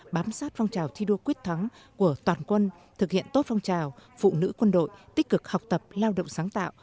bám sát phong trào thi đua quyết thắng của toàn quân thực hiện tốt phong trào phụ nữ quân đội tích cực học tập lao động sáng tạo